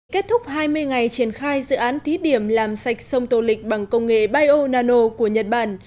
kết thúc hai mươi ngày triển khai dự án thí điểm làm sạch sông tô lịch bằng công nghệ bio nano của nhật bản